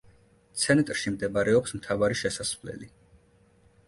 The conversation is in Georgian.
ცენტრში მდებარეობს მთავარი შესასვლელი.